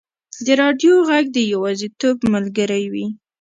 د راډیو ږغ د یوازیتوب ملګری وي.